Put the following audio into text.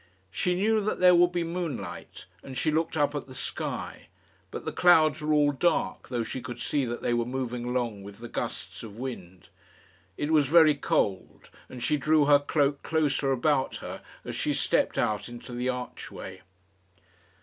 She knew that there would be moonlight, and she looked up at the sky; but the clouds were all dark, though she could see that they were moving along with the gusts of wind. It was very cold, and she drew her cloak closer about her as she stepped out into the archway.